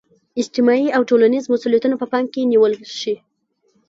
اجتماعي او ټولنیز مسولیتونه په پام کې نیول شي.